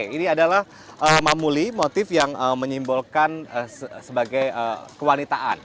ini adalah mamuli motif yang menyimbolkan sebagai kewanitaan